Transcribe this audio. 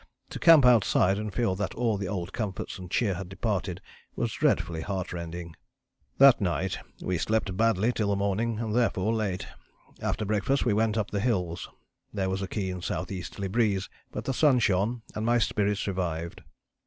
To camp outside and feel that all the old comforts and cheer had departed was dreadfully heartrending." That night "we slept badly till the morning and, therefore, late. After breakfast we went up the hills; there was a keen S.E. breeze, but the sun shone and my spirits revived.